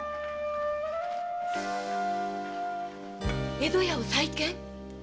江戸屋を再建⁉